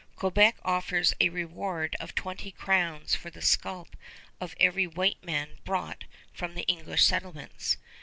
Quebec offers a reward of twenty crowns for the scalp of every white man brought from the English settlements.